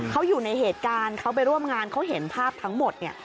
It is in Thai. เขาอยู่ในเหตุการณ์เขาไปร่วมงานเขาเห็นภาพทั้งหมดเนี่ย